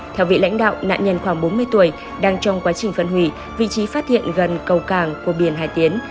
theo vị lãnh đạo nạn nhân khoảng bốn mươi tuổi đang trong quá trình phân hủy vị trí phát hiện gần cầu cảng của biển hải tiến